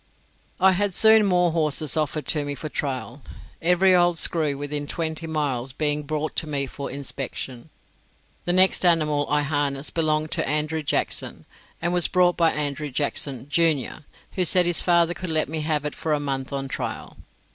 I had soon more horses offered to me for trial, every old screw within twenty miles being brought to me for inspection. The next animal I harnessed belonged to Andrew Jackson, and was brought by Andrew Jackson, junior, who said his father could let me have it for a month on trial.